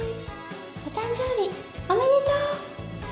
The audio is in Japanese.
お誕生日おめでとう。